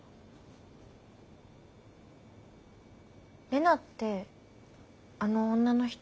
レナってあの女の人？